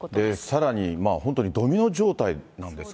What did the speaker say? さらに本当にドミノ状態なんですが。